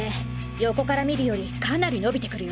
横から見るよりかなり伸びてくるよ。